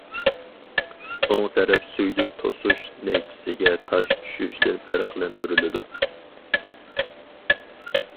ئوڭ تەرەپ سۈيدۈك توشۇش نەيچىسىگە تاش چۈشۈشتىن پەرقلەندۈرۈلىدۇ.